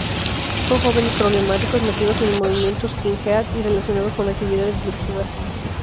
Son jóvenes problemáticos, metidos en el movimiento skinhead y relacionados con actividades delictivas.